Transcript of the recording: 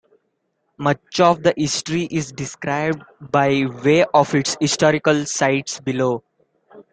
Much of the history is described by way of its historical sites below.